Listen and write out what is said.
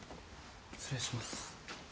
失礼します。